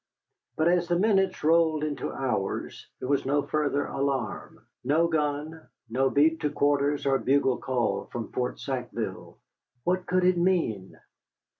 But, as the minutes rolled into hours, there was no further alarm. No gun, no beat to quarters or bugle call from Fort Sackville. What could it mean?